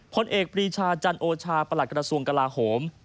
ผลเอกปรีชาจันโอชาประหลัดกระทรวงกลาโหม